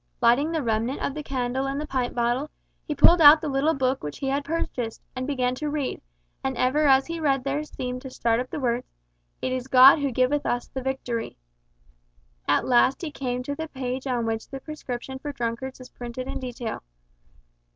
Lighting the remnant of the candle in the pint bottle, he pulled out the little book which he had purchased, and began to read, and ever as he read there seemed to start up the words, "It is God who giveth us the victory." At last he came to the page on which the prescription for drunkards is printed in detail.